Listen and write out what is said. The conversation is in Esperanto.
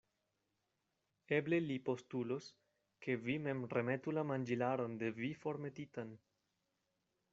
Eble li postulos, ke vi mem remetu la manĝilaron de vi formetitan.